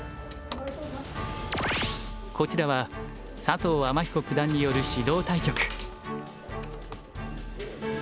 こちらは佐藤天彦九段による指導対局。